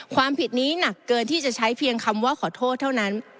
ความผิดนี้หนักเกินที่จะใช้เพียงคำว่าขอโทษเท่านั้น